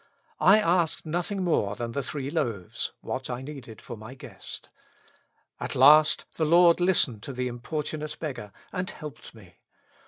I asked nothing more than the three loaves ; what I needed for my guest. At last the Lord listened to the importunate beggar, and helped me.